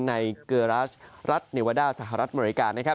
ในเกอรัชรัฐเนวาด้าสหรัฐอเมริกานะครับ